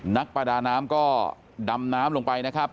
นักประดาน้ำก็ดำน้ำลงไปนะครับ